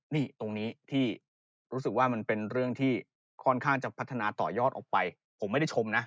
นี่ตรงนี้ที่รู้สึกว่ามันเป็นเรื่องที่ค่อนข้างจะพัฒนาต่อยอดออกไปผมไม่ได้ชมนะ